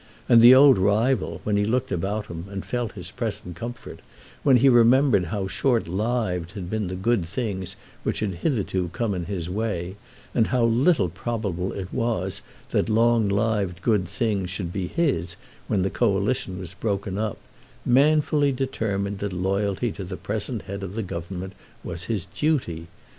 And that old rival, when he looked about him and felt his present comfort, when he remembered how short lived had been the good things which had hitherto come in his way, and how little probable it was that long lived good things should be his when the Coalition was broken up, manfully determined that loyalty to the present Head of the Government was his duty.